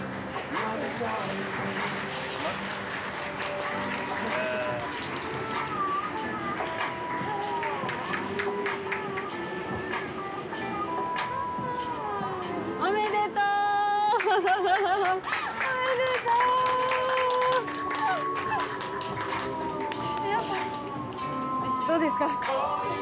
フフフフおめでとうどうですか？